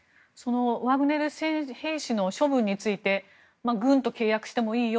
ワグネル兵士の処分について軍と契約してもいいよ